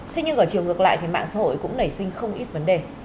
thế nhưng ở chiều ngược lại thì mạng xã hội cũng nảy sinh không ít vấn đề